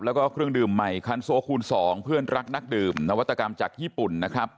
แล้วก็เครื่องดื่มใหม่คันโซคูณ๒เพื่อนรักนักดื่มนวัตกรรมจากญี่ปุ่นนะครับ